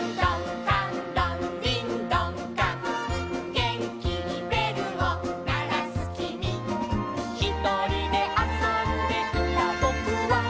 「げんきにべるをならすきみ」「ひとりであそんでいたぼくは」